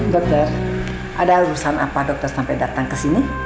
dokter ada urusan apa dokter sampai datang ke sini